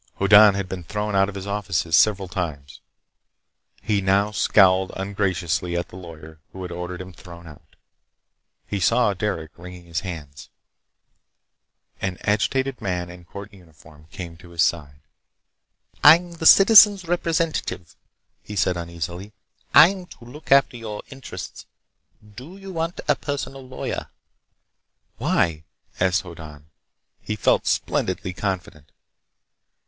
Hoddan had been thrown out of his offices several times. He now scowled ungraciously at the lawyer who had ordered him thrown out. He saw Derec wringing his hands. An agitated man in court uniform came to his side. "I'm the Citizen's Representative," he said uneasily. "I'm to look after your interests. Do you want a personal lawyer?" "Why?" asked Hoddan. He felt splendidly confident.